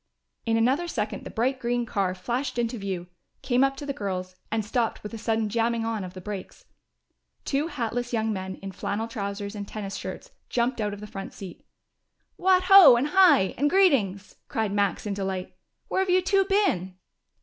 In another second the bright green car flashed into view, came up to the girls, and stopped with a sudden jamming on of the brakes. Two hatless young men in flannel trousers and tennis shirts jumped out of the front seat. "What ho! and hi! and greetings!" cried Max in delight. "Where have you two been?"